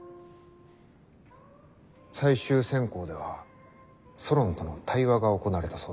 最終選考ではソロンとの対話が行われたそうだ。